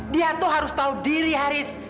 dia tuh harus tahu diri haris